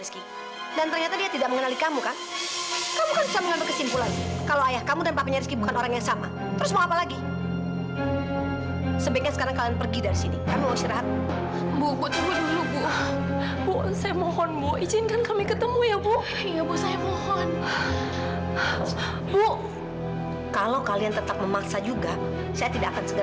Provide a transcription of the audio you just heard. sampai jumpa di video selanjutnya